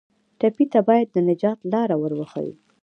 ټپي ته باید د نجات لاره ور وښیو.